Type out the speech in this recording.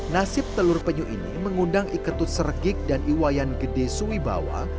nasib telur penyu ini mengundang ikutut sergik dan iwayan gede suwi bawah